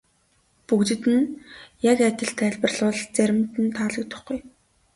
Бүгдэд нь яг адил тайлбарлавал заримд нь таалагдахгүй.